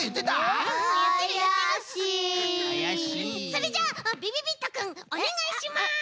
それじゃあびびびっとくんおねがいします！